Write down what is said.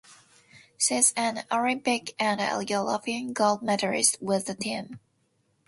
She is an Olympic and a European gold medalist with the team.